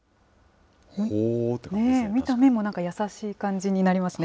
見た目も優しい感じになりますね。